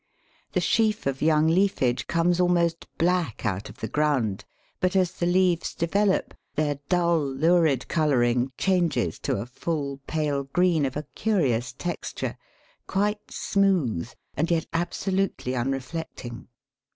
The sheaf of young leafage comes almost black out of the ground, but as the leaves develop, their dull, lurid colouring changes to a full, pale green of a curious texture, quite smooth, and yet absolutely unreflecting.